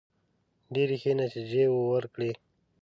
ډېري ښې نتیجې وورکړې.